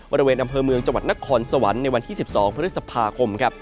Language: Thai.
บริเวณอำเภอเมืองจังหวัดนักคอนสวรรค์ในวันที่๑๒เพื่อสัปพาคม